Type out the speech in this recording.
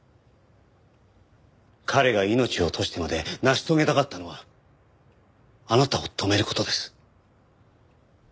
彼が命を賭してまで成し遂げたかったのはあなたを止める事です。